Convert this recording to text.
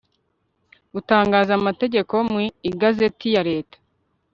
gutangaza amategeko mu igazeti ya leta